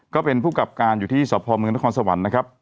ก็เป็นผู้กลับการอยู่ที่สอบพลเมืองนครสวรรค์